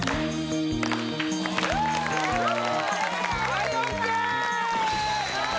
はいＯＫ！